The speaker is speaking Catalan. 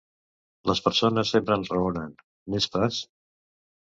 Les persones sempre enraonen, n'est-ce pas?